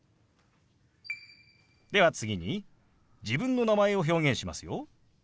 では次に自分の名前を表現しますよ。